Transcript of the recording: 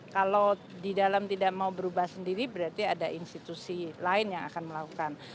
kalau di dalam tidak mau berubah sendiri berarti ada institusi lain yang akan melakukan